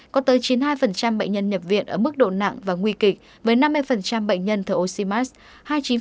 có tới chín mươi hai bệnh nhân nhập viện ở mức độ nặng và nguy kịch với năm mươi bệnh nhân thở oxymars